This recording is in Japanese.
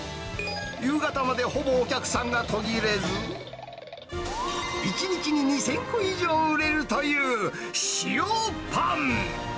夕方までほぼお客さんが途切れず、１日に２０００個以上売れるという塩パン。